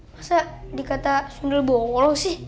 masa dikata sendul bolong sih